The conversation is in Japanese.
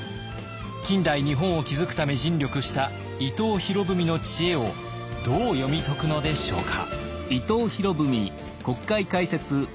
近代日本を築くため尽力した伊藤博文の知恵をどう読み解くのでしょうか。